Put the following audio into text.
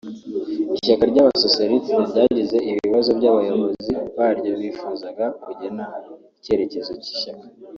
ishyaka ry’abasocialiste ryagize ibibazo by’abayobozi baryo bifuzaga kugena icyerekezo cy’ishyaka